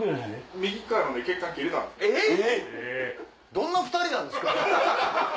どんな２人なんですか！